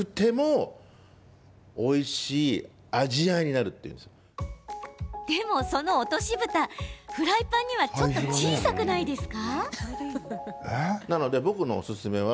これ落としぶたなんですけどでも、その落としぶたフライパンにはちょっと小さくないですか？